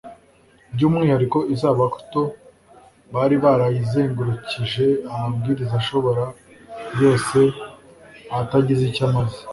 By’umwihariko, Isabato bari barayizengurukije amabwiriza ashoboka yose atagize icyo amaze